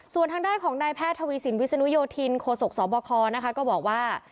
ส่วนทางด้านของนายแพทย์ทวีสินวิศนุโยธินโคศกสบคนะคะก็บอกว่า